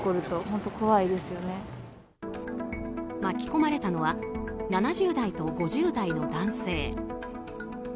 巻き込まれたのは７０代と５０代の男性。